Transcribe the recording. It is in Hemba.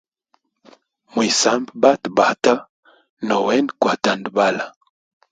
Mwisambe batabata nowe kwa tandabala.